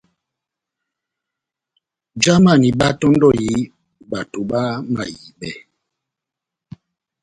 Jamani báhátɔ́ndɔhi bato bamahibɛ.